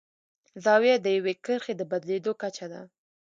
زاویه د یوې کرښې د بدلیدو کچه ده.